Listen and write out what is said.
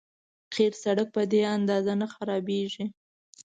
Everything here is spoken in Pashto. قیر سړک په دې اندازه نه خرابېږي.